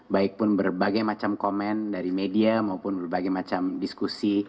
baik pun berbagai macam komen dari media maupun berbagai macam diskusi